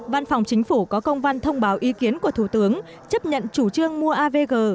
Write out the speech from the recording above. văn phòng chính phủ có công văn thông báo ý kiến của thủ tướng chấp nhận chủ trương mua avg